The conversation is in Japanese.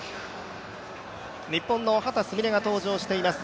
日本の秦澄美鈴が登場しています